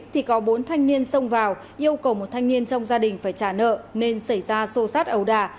thì có bốn thanh niên xông vào yêu cầu một thanh niên trong gia đình phải trả nợ nên xảy ra xô xát ẩu đà